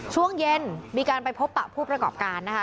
ช่วงเย็นมีการไปพบปะผู้ประกอบการนะคะ